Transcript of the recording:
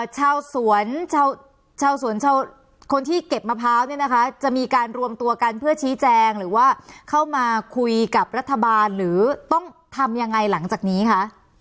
ชาวสวนชาวสวนชาวคนที่เก็บมะพร้าวเนี่ยนะคะจะมีการรวมตัวกันเพื่อชี้แจงหรือว่าเข้ามาคุยกับรัฐบาลหรือต้องทำยังไงหลังจากนี้คะ